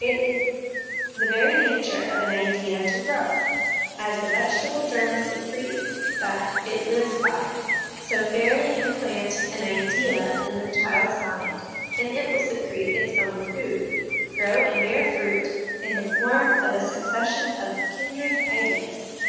It is the very nature of an idea to grow : as the vegetable germ secretes that it lives by, so, fairly implant an idea in the child's mind, and it will secrete its own food, grow, and bear fruit in the form of a succession of kindred ideas.